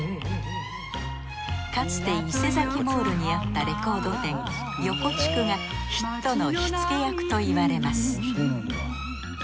かつてイセザキ・モールにあったレコード店ヨコチクがヒットの火付け役と言われます。